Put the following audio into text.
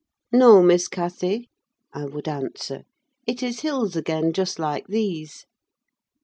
"No, Miss Cathy," I would answer; "it is hills again, just like these."